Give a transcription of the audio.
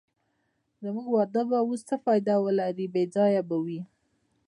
زموږ واده به اوس څه فایده ولرې، بې ځایه به وي.